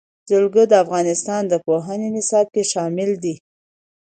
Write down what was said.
جلګه د افغانستان د پوهنې نصاب کې شامل دي.